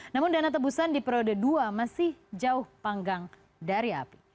namun dana tebusan di periode dua masih jauh panggang dari api